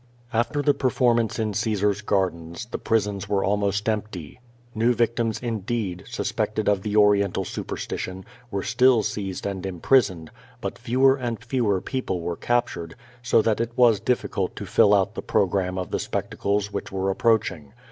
After the performance in Caeskr*s gardens, the prisons were almost empty. New victims, infleed, suspected of the Orien tal superstition, were still seized and imprisoned; but fewer and fewer people were capture^, so that it was ditticult to fill out the programme of the specmeles which were approach ing.